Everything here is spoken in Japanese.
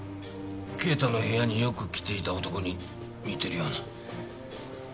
啓太の部屋によく来ていた男に似てるような。